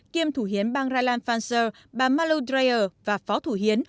kiêm thủ hiến bang rheinland pfanzer bà malu dreyer và phó thủ hiến